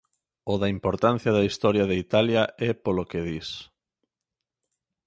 O da importancia da Historia de Italia é polo que dis.